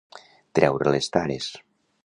Treure les tares.